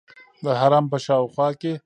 د حرم په شاوخوا کې.